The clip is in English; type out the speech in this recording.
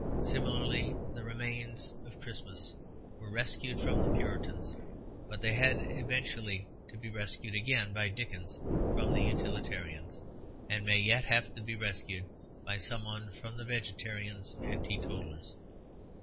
Similarly the remains of Christmas were rescued from the Puritans; but they had eventually to be rescued again by Dickens from the Utilitarians, and may yet have to be rescued by somebody from the vegetarians and teetotallers.